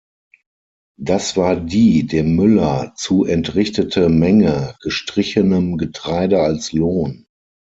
Das war die dem Müller zu entrichtete Menge „gestrichenem“ Getreide als Lohn.